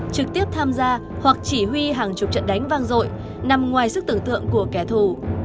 trực tiếp tham gia hoặc chỉ huy hàng chục trận đánh vang rội nằm ngoài sức tưởng tượng của kẻ thù